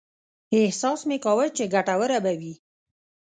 احساس مې کاوه چې ګټوره به وي.